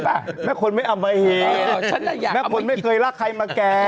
เข้าใจป่ะ